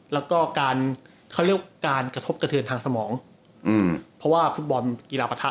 แล้วก็การเขาเรียกว่าการกระทบกระเทือนทางสมองอืมเพราะว่าฟุตบอลกีฬาประทะ